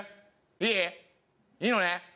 いい？いいのね？